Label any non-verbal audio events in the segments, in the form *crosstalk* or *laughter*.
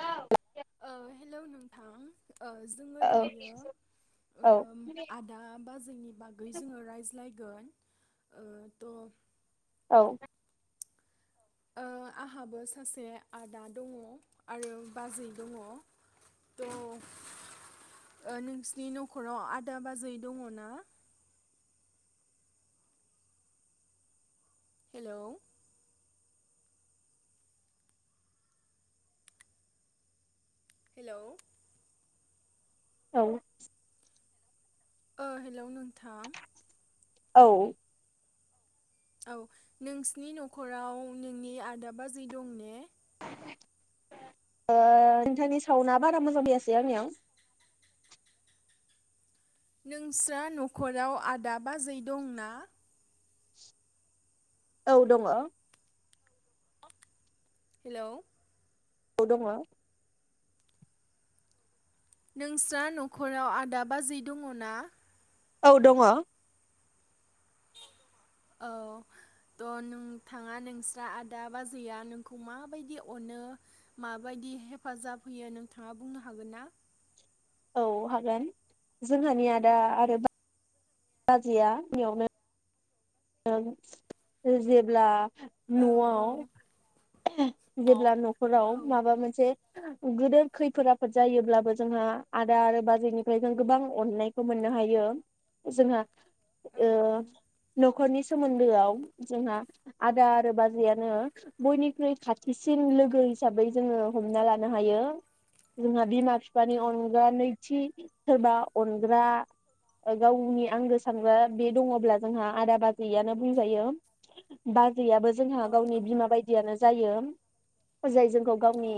औ। *unintelligible* ओ हेलौ नोंथां ओ जोङो औ दायो ओ औ आदा बाजैनि बागै जोङो रायज्लाय गोन ओ थ' औ ओ आंहाबो सासे आदा दङ आरो बाजै दङ थ' नोंसिनि न'खराव आदा बाजै दङ ना? हेलौ हेलौ औ ओ हेलौ नोंथां औ औ नोंसनि न'खराव नोंनि आदा बाजै दं ने ओ नोंथांनि सावना बारा मोजां फैयासै आंनियाव नोंस्रा न'खराव आदा बाजै दंना? औ दङ। हेलौ औ दङ नोंस्रा न'खराव आदा बाजै दङ ना? औ दङ ओ थ' नोंथाङा नोंस्रा आदा बाजैया नोंखौ माबायदि अनो माबायदि हेफाजाब होयो नोंथाङा बुंनो हागोन ना? औ हागोन जोंहानि आदा आरो बा बाजैया बेयावनो *unintelligible* जेब्ला औ औ न'आव औ जेब्ला नखराव औ माबा मोनसे गिदिर खैफोद आफोद जायोब्लाबो जोंहा आदा आरो बाजैनिफ्राय जों गोबां अननायखौ मोननो हायो जोंहा ओ नख'रनि सोमोन्दोआव जोंहा आदा आरो बाजैयानो बयनिख्रुइ खाथिसिन लोगो हिसाबै जोङो हमना लानो हायो जोंहा बिमा फिफानि औ अनगा नैथि सोरबा अनग्रा गावनि आंगो सानग्रा बे दङब्ला जोंहा आदा बाजैयानो बुंजायो बाज दैैयाबो जोंहा औ औ गावनि बिमा बायदियानो जायो। जाय जोंखौ औ गावनि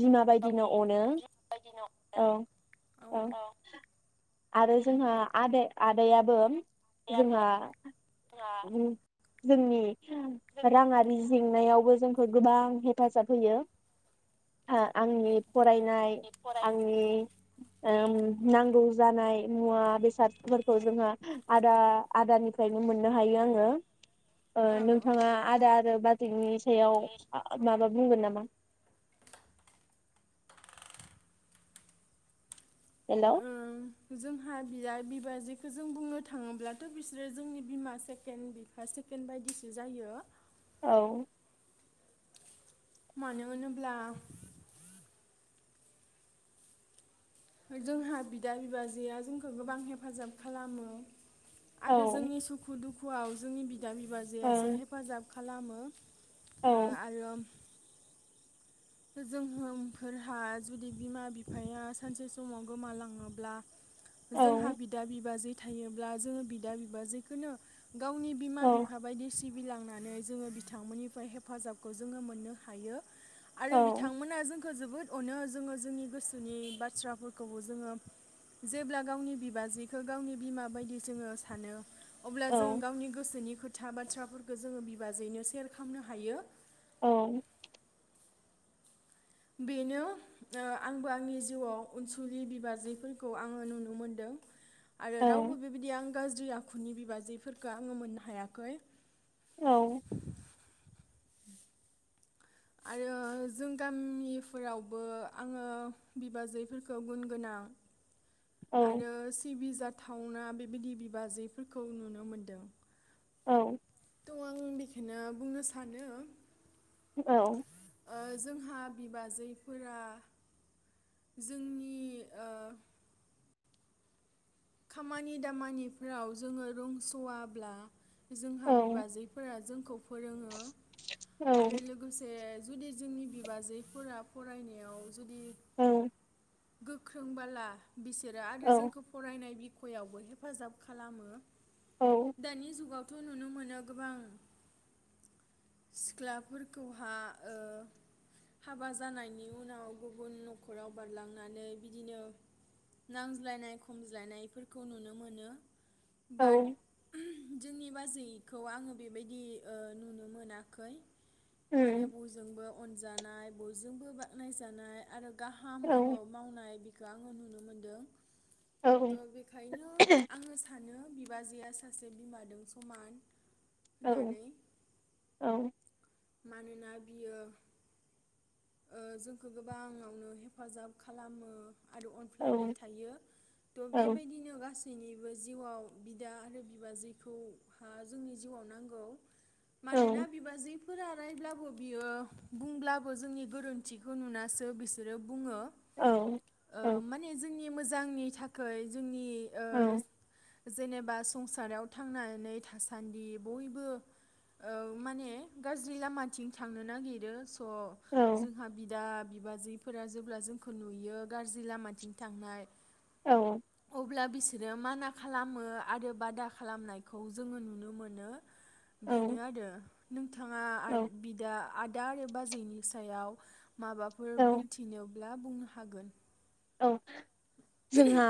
बिमा बायदिनो गावनि अनो बिमा बायदिनो औ अनो औ आरो जोंहा आदा आदायाबो आबो जोंहा जोंहा उम जोंनि राङारि जेंनायावबो जोंखौ गोबां हे हेफाजाब होयो हा आंनि जोंनि फरायनाय फरायनाय आंनि ओ नांगौ जानाय मुवा बेसादफोरखौ जोहाआदा आदानि फ्रायननो मोननो हायो आङो ओ औ औ नोंथाङा आदा आरो बाजैनि सायाव जोंनि माबा बुंगोन नामा? हेल' औ ओं जोंहा बियाय बिबाजैखो जों बुंनो थाङोब्लाथ' बिसोरो जोंनि बिमा सेकेण्ड बिफा सेकेणड बायदिसो जायो औ मानो होनोब्ला जोंहा बिदा बिबाजैआ जोंखौ गोबां हेफाजाब खालामो आरो ओं जोंनि सुखु दुखु खुवाव जोंनि बि या औ बिबाजैयासो हेफाजाब खालामो ओ औ आरो जोंहोम फोरहा जुदि बिमा बिफाया सानसे समाव गोमालाङोब्ला जोंहा औ बिदा बिबााजै थायोब्ला जोङो बिदा बिबाजैखोनो गावनि बिमा औ बिफा बायदिसो सिबिलांनानै जोङो बिथांमोननिफ्राय हेफाजाबखौ जोङो मोननो हायो आरो औ बिथांमोना जों जोबोद अनो जोङो जोंनि गोसोनि बाथ्राफोरखौबो जोङो जेब्ला गावनि बिबाजैखो गावनि बिमा बायदि जोङो सानो अब्ला औ जों गावनि गोसोनि खोथा बाथ्राफोरखो जोङो बिबाजैनो सेयार खामनो हायो। औ बेनो ओ आंबो आंनि जिउआव अनसुलि बिबाजैफोरखौ आङो नुनो मोनदों आरो औ रावबो बिबायदि आं गाज्रि आखुनि बिबाजैफोरखो आङो मोननो हायाखै *inaudible* औ आरो जों गामिफोरावबो आङो बिबाजैफोरखौ गुन गोनां आरो सिबि जाथ थावना बेबायदि बिबाजैफोरखौ नुनो मोन्दों। औ थ आं बेखोनो बुंनो सानो औ ओ जोंहा बिबाजैफोरा जोंनि ओ खामानि दामानिफ्राव जोङो रोंस'वाब्ला जोंहा औ बिबाजैफोरा जों फोरोङो औ आरो लोगोसे जुदि जोंनि बिबाजैफोरा फरायनायाव जुदि औ गोख्रों बाला बिसोरो आरो औ जोंखौ फरायनाय बि ख'यावबो हेफाजाब खालामो। औ दानि जुगाव थ' नुनो मोनो गोबां सिख्लाफोरखौहा ओ हाबा जानायनि उनाव गुबुन न'खराव बारलां नानै बिदिनो नांज्लायनाय खमज्लायनायफोरखौ नुनो मोनो। बाद औ जोंनि बाजैखौ आङो बेबायदि ओ नुनो मोनाखै। माने उम बयजोंबो अनजानाय बयजोंबो बाख्नायजानाय आरो गाहाम औ मावनाय बिखौ आङो नुनो मोनदों। औ त बेखायनो आङो सा सानो बिबाजैआ सासे बिमादों समान औ होननानै औ मानोना बियो ओ जोंखो गोबाङावनो हेफाजाब खालामो। आरो औ अनफ्लायबाय थायो थ औ बेबायदिनो गासैबो गासैनिबो जिउआव बिदा आरो बिबाजैखौ हा जोंनि जिउआव नांगौ। औ मानोना बिबाजै। फोर रायब्लाबो बियो बुंब्लाबो जोंनि। गोरोन्थिखौ नुनासो बिसोरो बु। ङो ओ मानि जोंनि। नि मोजांनि थाखाय जोंनि। औ ओह। जेनेबा संसाराव थांनानै थासान्दि बयबो माने ओ गाज्रि लामाथिं थांनो नागिरो। औ। जोंहा बिदा। बिबाजैफोरा जेब्ला जोंखौ नुयो गाज्रि लामाथिं थांनाय। औ। अब्ला बिसोरो माना खालामो आरो बादा खालामनायखौ जोङो नुनो मोनो। बेनो आरो। बिथाङा औ आद बिदा आद। दारे बाजैनिस। *unintelligible* माबाफोर बुंथिनो। ला बुंनो हागोन। औ जोंहा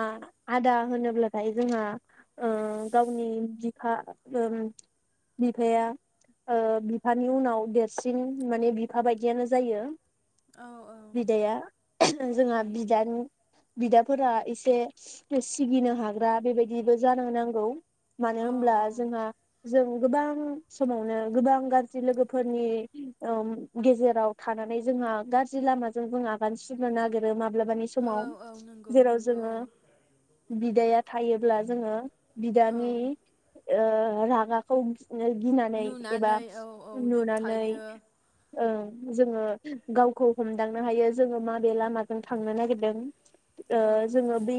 आदा होनोब्लाथाय जोंहा ओ गावनि बिफा ओम बिफाया ओ बिफानि उनाव देरसिन माने बिफा बायदियानो जायो। औ औ बिदाया जोंहा उम, बि। बिदाफोरा एसे सिगिनो हाग्रा बेबायदिबो जानो नांगौ मानो औ होनब्ला औ जोंहा जों गोबां समावनो गोबां गाज्रि लोगोफोरनि ओ गेजेराव थानानै जोंहा गाज्रि लामाजों जों आगान सुरनो नागिरो माब्लाबा। औ समाव औ नंगौ जेराव नंगौ जोङो औ बिदाया। थायोब्ला जोङो। औ बिदानि। ओ रागाखौ *unintelligible* ओ गिनानै एबा नुनानै औ औ नुनानै। दबथायो ओ जोङो गावखौ हमदांनो हायो जोङो माबे लामाजों थांनो नागिरदों। *unintelligible* ओ औ जोङो बे।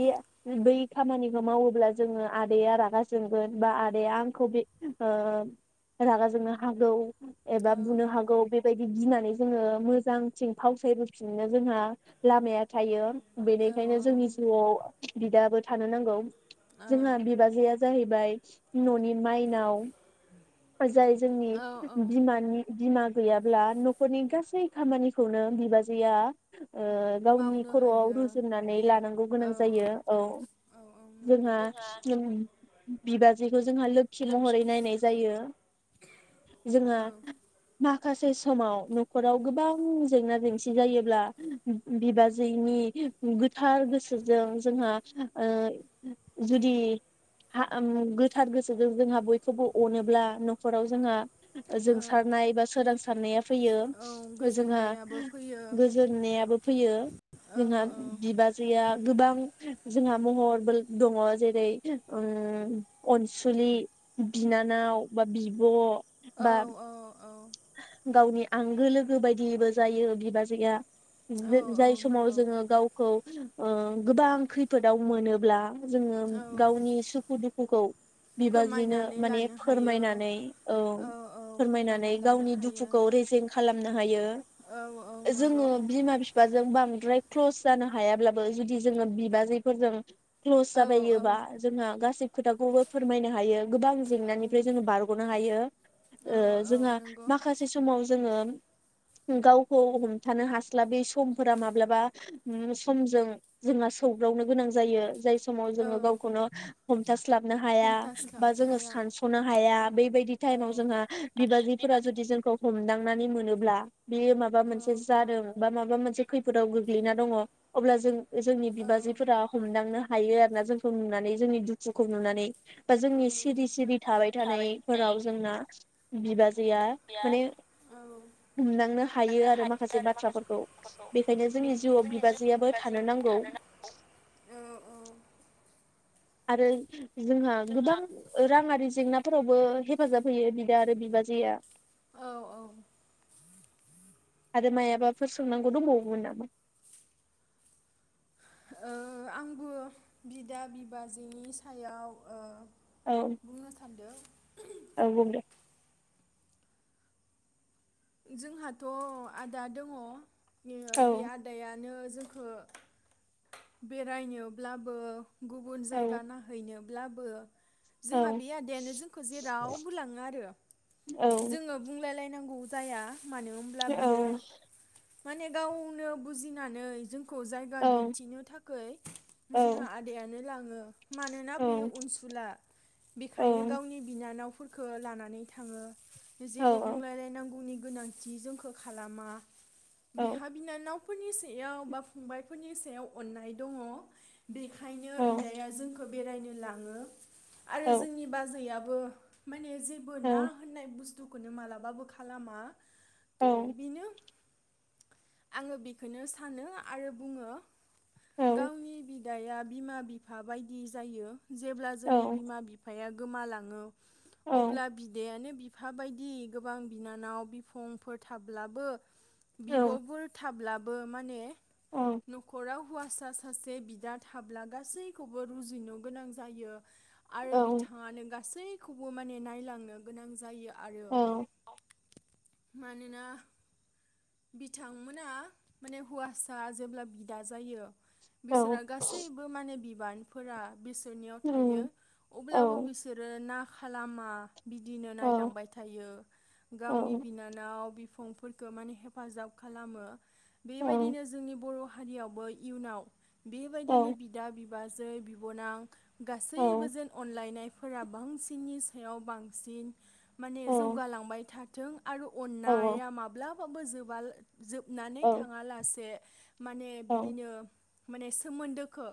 बै खामानिखौ मावोब्ला जोङो आदैया रागा जोंगोन बा आदैया आंखौ बे ओ रागा जोंनो हागौ। एबा औ बुनो हागौ बे। गिनानै जोङो मोजांथिं फावसायबोफिननो जोंहा लामाया थायो। बेनिखायनो जोंनि जिउआव। बिदाबो थानो नांगौ औ जोंहा बिबाजैया जाहैबाय ननि माइनाव जाय जोंनि औ औ बिमानि बिमा गैयाब्ला नखरनि गासै खामानिखौनो बिबाजैआ ओ गावनि मावनो खरआव हायो रुजुननानै लानांगौ गोनां जायो औ औ औ नंगौ जोंहा उम बिबाजैखौ जोंहा लोखि महरै नायनाय जायो जोंहा औ माखासे स समाव नखराव गोबां जेंना जेंसि जायोब्ला बि बिबाजैनि गोथार गोसोजों जोंहा ओ जुदि आ ओ गोथार गोसोजों जोंहा बयखौबो अनोब्ला नखराव जोंहा औ जोंसारनाय बा सोरां सारनाया फैयो औ जोंहा गोजोननायाबो फैयो औ गोजोननायाबो फैयो जोंहा औ बिबाजैआ गोबां जोंहा महरबो दङ जेरै ओ अनसुलि बिनानाव बा बिब औ बा औ गावनि आंगो लोगो बायदिबो जायो बिबाजैया औ औ जाय समाव नंगौ जोङो गावखौ ओं गोबां खैफोदाव मोनोब्ला जोङो औ गावनि सुखु दुखु नंगौ बिबाजैनो फोरमायनानै माने लानो हायो फोरमायनानै औ औ फोरमायनानै फोरमायना लानो गावनि हायो दुखुखौ रेजें खालाम खालामनो हायो औ औ जोङो नंगौ बिमा फिफाजों बां द्राय क्लस जानो हायाब्लाबो जुदि जोङो बिबाजैफोरजों क्लस औ जाबायोबा जोंहा गासै खोथाखौबो फोरमायनो हायो गोबां उम जेंनानिफ्राय जोङो बारगनो हायो औ ओ औ जोंहा नंगौ माखासे समाव जोङो गावखौ हमथानो हास्लाबै समफोरा माब्लाबा समजों जोंहा सौग्रावनो गोनां जायो जाय समाव औ जोङो गावखौनो हमथा स्लाबनो हाया बा हमथास्लाबनो जोङो हाया सानसनो हाया बेैबायदि औ टायेमाव जोंहा बिबाजै फोरा बिबार जुदि जोंखौ हमदां नानै मोनोब्ला बेयो माबा औ मोनसे जादों बा माबा मोनसे खैफोदाव गोग्लैना दङ अब्ला जों जोंनि औ बिबाजैफोरा हमदांनो हायो आरोना जोंखौ नुनानै जोंनि दुखुखौ नुनानै बा औ जोंनि सिरि सिरि थाबाय थानायफोराव जोंना बिबाजै बिबादिया माने लांनो हमदांनो हायो आरो माखासे बाथ्राफोरखौ बेखायनो जोंनि जिउआव बेनिखायनो जोंनि जिउ बिबाजैआबो बिबाजै थानो नांगौ। आरो जोंहा गोबां राङारि जेंना फोरावबो हेफाजाब होयो बिदा आरो बिबाजैआ औ औ आरो मायबाफोर सोंनांगौ दंबावोमोन नामा? ओ आंबो बिदा बिबाजैनि सायाव ओ औ बुंनो सान्दो। औ बुं दे जोंहाथ आदा दङ औ बे आदायानो जोंखो बेरायनोब्लाबो गुबुन औ जायगा नायहैनो ब्लाबो जोंहा औ बे आदायानो जोंखौ जेरावबो लाङो आरो औ जोङो बुंलायलाय नोंगौ जाया मानो होमब्ला औ बियो माने गावनो बुजिनानै जोंखौ खौ जायगा औ दिन्थिनो थाखै जोंहा औ आदायानो लाङो। मानोना बेयो अनसुला बेखायनो गावनि बिना फोरखो लानानै थाङो। औ जेबो बुंलायलायनांगौ गुबुननि गोनांथि जोंखौ खालामा औ बिहा बिनानाव फोरनि सायाव बा फंबायफोरनि सायाव अननाय दङ। बेखायनो औ बिदाया जोंखौ बेरायनो लाङो। आरो जोंनि बाजैआबो जेबो ना होननाय बुस्थु दुखु खोनो मालाबा बोखा लामा औ द बिनो आङो बेखोनो सानो आरो बुङो। औ गावनि बि बिदाया बिमा बिफा बायदि जायो। जेब्ला जोंनि बिमा बिफाया ग गोमालाङो अब्ला औ बिदायानो बि बिफा बायदि गोबां। बिनानाव बिफंफोर थाब्लाबो औ बिबफोर थाब्लाबो माने न'खराव। हौवासा सासे बिदा थाब्ला गासैखौबो रुजुनो गोनां जायो। आरो औ बिथाङानो गा गासैखौबो माने नायलांनो गोनां जायो। आरो औ। मानोना बिथांमोना माने हौवासा जेब्ला बिदा जायो। बिसोरा गासैबो माने बि बिबानफोरा। बिसोरनियाव थायो अब्लाबो बिसोरो ना। खालामा बिदिनो औ नायलांबाय थायो। औ गावनि औ बिनानाव। बिफंफोरखौ माने हेफाजाब खालामो। औ बेबायदिनो जोंनि बर'। हारियावबो इयुनाव। बेबायदिनो औ बिदा बि बाजै बिबनां। औ गासैबो जेन अनलायनाय। फोरा बांसिननि सायाव बांसिन। माने औ जौगालांबाय था थों। आरो औ अन्नाया माब्ला। बो जोबा। जोबनानै औ थाङा लासे। माने बिदिनो। माने सोमोन्दोखो।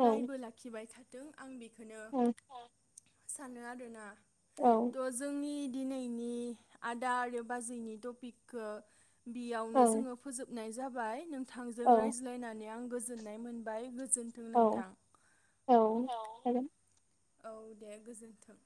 औ लाखिबाय था दों आं बे खोनो सानो आरोना। औ त जोंनि दिनैनि आदा आरो बाजैनि टपिकखो बेयावनो जोङो फोजोब नाय जाबाय नों थांजों औ रायज्लायनानै आं गोजोननाय मोनबाय। गोजोनथों औ नोंथां। औ जागोन। औ दे गोजोन्थों।